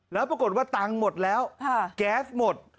แล้วปรากฏว่าตังค์หมดแล้วแก๊สหมด